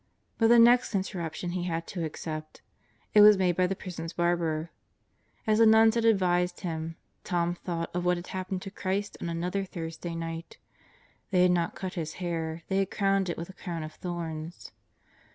But the next interruption he had to accept. It was made by the Prison's barber. As the nuns had advised him, Tom thought of what had happened to Christ on another Thursday night. They had not cut His hair, they had crowned it with a crown of thorns.